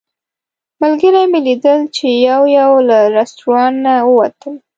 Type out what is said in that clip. ملګري مې لیدل چې یو یو له رسټورانټ نه ووتل.